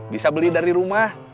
bisa beli dari rumah